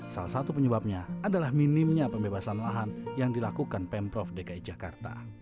salah satu penyebabnya adalah minimnya pembebasan lahan yang dilakukan pemprov dki jakarta